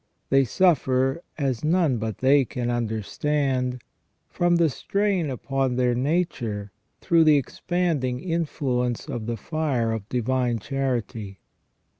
They suffer, as none but they can understand, from the strain upon their nature through the ex panding influence of the fire of divine charity.